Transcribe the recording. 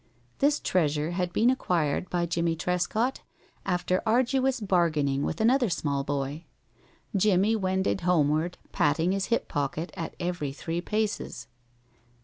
This treasure had been acquired by Jimmie Trescott after arduous bargaining with another small boy. Jimmie wended homeward, patting his hip pocket at every three paces.